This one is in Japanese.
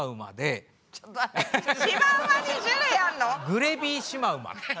グレビーシマウマ。